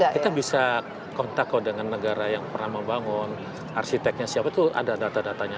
kita bisa kontak dengan negara yang pernah membangun arsiteknya siapa itu ada data datanya